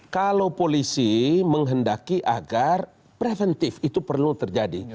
kalau polisi menghendaki agar preventif itu perlu terjadi